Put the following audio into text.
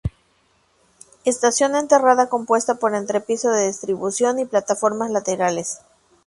Estación enterrada compuesta por entrepiso de distribución y plataformas laterales.